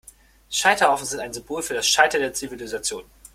Scheiterhaufen sind ein Symbol für das Scheitern der Zivilisation.